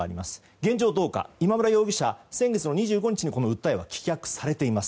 現状、どうか今村容疑者、先月の２５日にこの訴えは棄却されています。